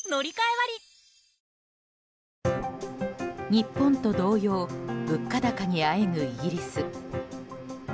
日本と同様物価高にあえぐイギリス。